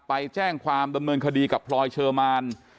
ไปแจ้งความบันเมินคดีกับพลล่อยเชิร์มมาน